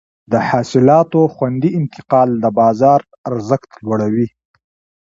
د حاصلاتو خوندي انتقال د بازار ارزښت لوړوي.